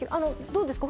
どうですか？